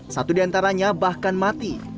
satu diantaranya bahkan mati